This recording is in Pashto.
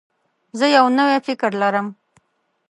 زه یو نوی فکر لرم.